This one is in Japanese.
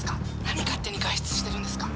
何勝手に外出してるんですか！